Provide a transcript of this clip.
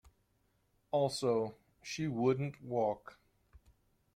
Also, she wouldn't walk.